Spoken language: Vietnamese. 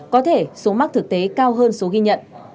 có thể số mắc thực tế cao hơn số ghi nhận